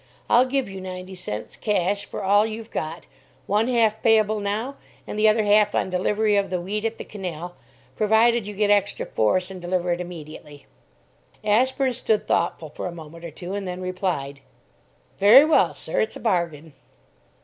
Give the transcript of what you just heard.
I'll give you ninety cents cash for all you've got, one half payable now, and the other half on delivery of the wheat at the canal, provided you get extra force and deliver it immediately." Ashburn stood thoughtful for a moment or two, and then replied "Very well, sir, it's a bargain."